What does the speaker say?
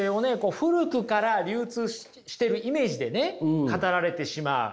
古くから流通してるイメージでね語られてしまう。